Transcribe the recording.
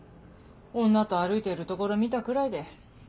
女と歩いてるところ見たくらいで。